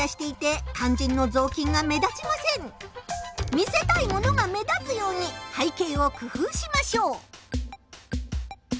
見せたいものが目立つように背景を工夫しましょう。